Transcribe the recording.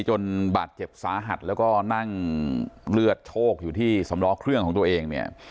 จนบาดเจ็บสาหัสแล้วก็นั่งเลือดโชคอยู่ที่สำล้อเครื่องของตัวเองเนี่ย